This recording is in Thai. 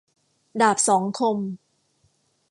ดาบสองคม